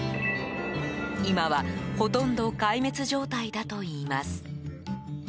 今はほとんど壊滅状態だといいます。